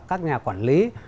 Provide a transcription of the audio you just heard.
các nhà quản lý